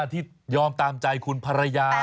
ที่ยอมตามใจคุณภรรยา